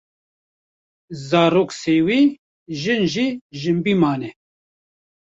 zarok sêwî, jin jî jinbî mane.